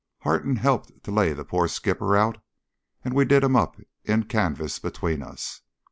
Harton helped to lay the poor skipper out, and we did him up in canvas between us.